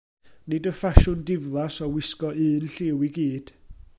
Nid y ffasiwn diflas o wisgo un lliw i gyd.